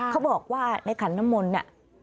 เขาบอกว่าในขันนมลนี่